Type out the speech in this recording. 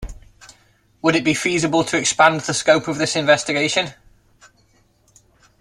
Would it be feasible to expand the scope of this investigation?